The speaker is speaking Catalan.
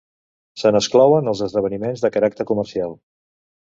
Se n'exclouen els esdeveniments de caràcter comercial.